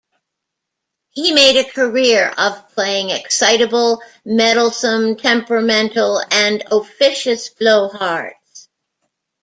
He made a career of playing excitable, meddlesome, temperamental, and officious blowhards.